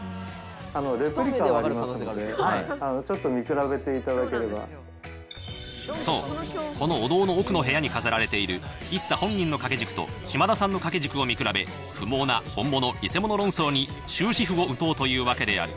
レプリカがありますので、そう、このお堂の奥の部屋に飾られている一茶本人の掛け軸と、嶋田さんの掛け軸を見比べ、不毛な本物偽物論争に終止符を打とうというわけである。